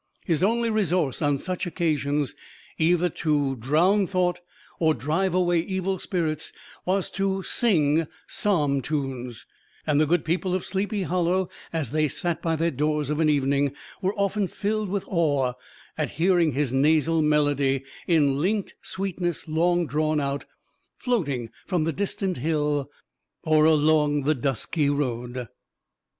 His only resource on such occasions, either to drown thought or drive away evil spirits, was to sing psalm tunes; and the good people of Sleepy Hollow, as they sat by their doors of an evening, were often filled with awe at hearing his nasal melody, "in linked sweetness long drawn out," floating from the distant hill, or along the dusky road.